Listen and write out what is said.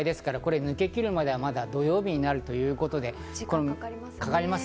抜けきるまでは土曜日になるということで、時間がかかります。